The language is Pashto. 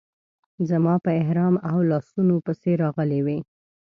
زما په احرام او لاسونو پسې راغلې وې.